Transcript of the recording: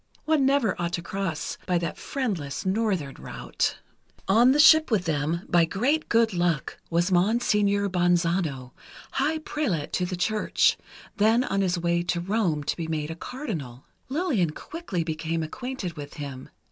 One never ought to cross by that friendless Northern route. On the ship with them, by great good luck, was Monseigneur Bonzano, high prelate of the Church, then on his way to Rome to be made a Cardinal. Lillian quickly became acquainted with him.